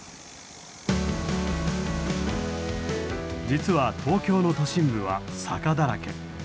実は東京の都心部は坂だらけ。